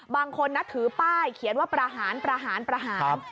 บางคนนับถือป้ายเขียนว่าประหารประหารประหาร